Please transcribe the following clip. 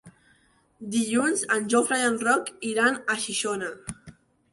Dilluns en Jofre i en Roc iran a Xixona.